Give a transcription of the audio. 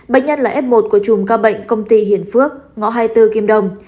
bệnh nhân là f một của chùm ca bệnh công ty hiền phước ngõ hai mươi bốn kim đồng